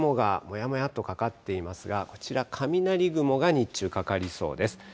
北海道、雲がもやもやってかかっていますが、こちら、雷雲が日中、かかりそうです。